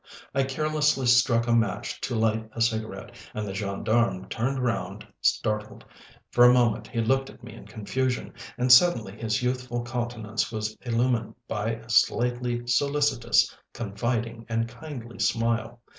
I carelessly struck a match to light a cigarette, and the gendarme turned round startled. For a moment he looked at me in confusion, and suddenly his youthful countenance was illumined by a slightly solicitous, confiding, and kindly smile.